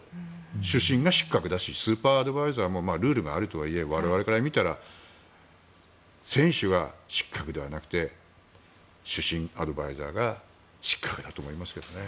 主審が失格だしスーパーバイザーもルールがあるとはいえ我々から見たら選手が失格ではなくて主審アドバイザーが失格だと思いますけどね。